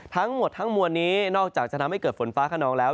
ทั้งหมดทั้งมวลนี้นอกจากจะทำให้เกิดฝนฟ้าขนองแล้ว